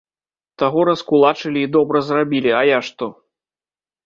Таго раскулачылі і добра зрабілі, а я што?